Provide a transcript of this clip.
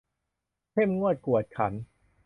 เข้มงวดกวดขัน